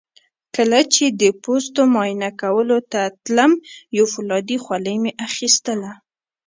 کله چې د پوستو معاینه کولو ته تلم یو فولادي خولۍ مې اخیستله.